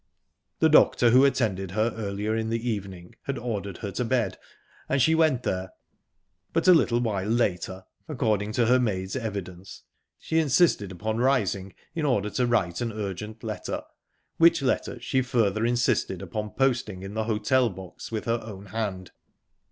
The doctor who attended her earlier in the evening had ordered her to bed, and she went there, but a little while late, according to her maid's evidence, she insisted upon rising in order to write an urgent letter, which letter she further insisted upon posting in the hotel box with her own hand.